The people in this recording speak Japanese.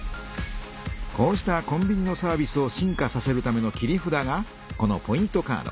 こうしたコンビニのサービスを進化させるための切り札がこのポイントカード。